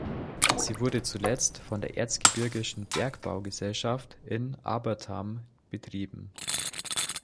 Sie wurde zuletzt von der Erzgebirgischen Bergbaugesellschaft in Abertham betrieben.